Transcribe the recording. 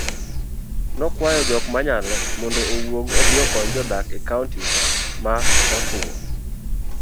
nokwayo jokmanyalo mondo owuog obiokony jodak ekaonti ma otuwo